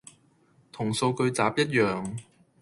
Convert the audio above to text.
同數據集一樣